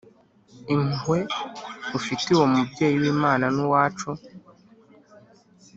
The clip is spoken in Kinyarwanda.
impuhwe ufitiye uwo mubyeyi w’imana n’uwacu